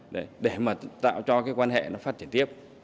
để mà tạo cho cái quan hệ nó phát triển tiếp